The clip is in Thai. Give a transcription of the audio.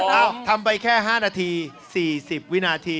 เอ้าทำไปแค่๕นาที๔๐วินาที